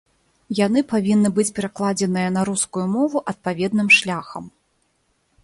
Яны павінны быць перакладзеныя на рускую мову адпаведным шляхам.